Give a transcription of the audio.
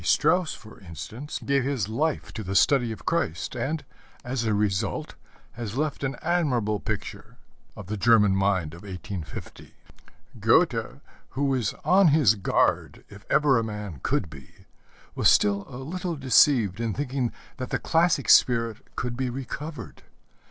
Strauss, for instance, gave his life to the study of Christ, and, as a result, has left an admirable picture of the German mind of 1850. Goethe, who was on his guard if ever a man could be, was still a little deceived in thinking that the classic spirit could be recovered.